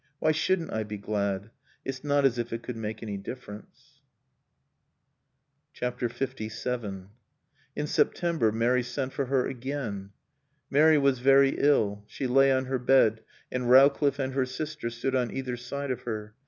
Why shouldn't I be glad? It's not as if it could make any difference." LVII In September Mary sent for her again. Mary was very ill. She lay on her bed, and Rowcliffe and her sister stood on either side of her.